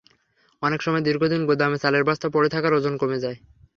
অনেক সময় দীর্ঘদিন গুদামে চালের বস্তা পড়ে থাকায় ওজন কমে যায়।